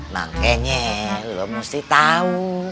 makanya lu mesti tahu